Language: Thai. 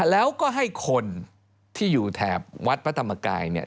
แล้วก็ให้คนที่อยู่แถบวัดพระธรรมกายเนี่ย